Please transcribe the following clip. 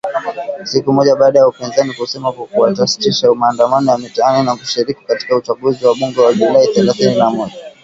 Siku moja baada ya upinzani, kusema kuwa utasitisha maandamano ya mitaani na kushiriki katika uchaguzi wa bunge wa Julai thelathini na moja.